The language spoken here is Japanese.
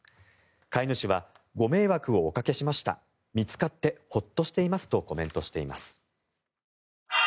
飼い主はご迷惑をおかけしました見つかってホッとしていますとコメントしています。